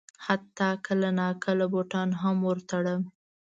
حتی کله ناکله بوټان هم ور تړم.